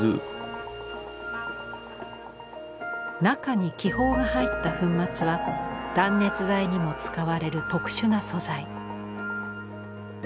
中に気泡が入った粉末は断熱材にも使われる特殊な素材。